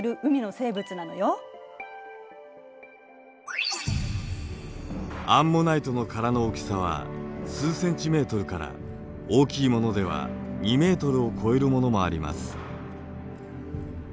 アンモナイトはアンモナイトの殻の大きさは数ｃｍから大きいものでは２ｍを超えるものもあります。